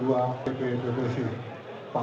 assalamualaikum warahmatullahi wabarakatuh